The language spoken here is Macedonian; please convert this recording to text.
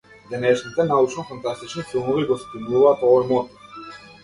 Денешните научно-фантастични филмови го спинуваат овој мотив.